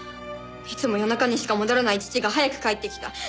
いつも夜中にしか戻らない父が早く帰ってきた。